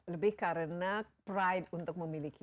lebih karena pride untuk memiliki